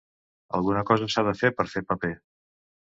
Alguna cosa s'ha de fer per fer paper.